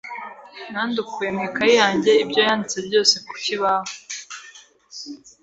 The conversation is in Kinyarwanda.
Nandukuye mu ikaye yanjye ibyo yanditse byose ku kibaho.